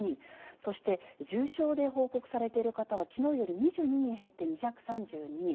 そして重症で報告されている方はきのうより２２人減って２３２人。